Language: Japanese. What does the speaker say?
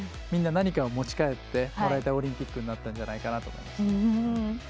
みんな何かを持ち帰ってもらえたオリンピックになったと思いますね。